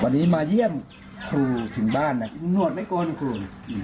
พอดีมาเยี่ยมครูถึงบ้านแน่มาณวดไม่กลน่ะครู